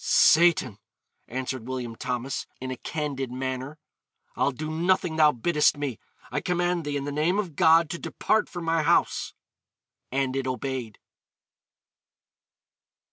'Satan,' answered William Thomas, in a candid manner, 'I'll do nothing thou biddest me; I command thee, in the name of God, to depart from my house.' And it obeyed.